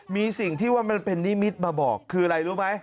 มีสิ่งที่ว่ามันเป็นนิมิตมาบอกคืออะไรรู้ไหม